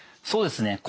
そうですね。